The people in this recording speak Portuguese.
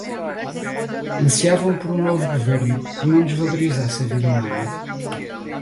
Ansiavam por um novo governo que não desvalorizasse a vida humana